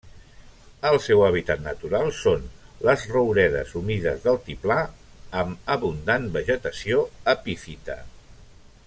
El seu hàbitat natural són les rouredes humides d'altiplà amb abundant vegetació epífita.